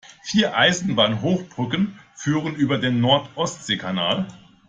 Vier Eisenbahnhochbrücken führen über den Nord-Ostsee-Kanal.